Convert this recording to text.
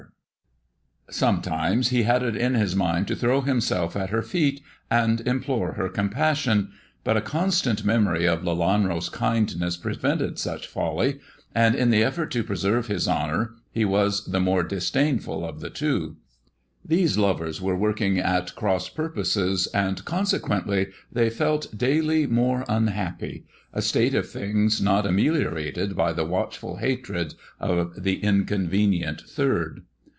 t in m 142 THE dwarf's chamber Sometimes he had it in his mind to throw himself at her feet and implore her compassion ; but a constant memory of Lelanro's kindness prevented such folly, and in the effort to preserve his honour, he was the more disdainful of the two. These lovers were working at cross purposes, and con sequently they felt daily more unhappy, a state of things not ameliorated by the watchful hatred of the inconvenient third.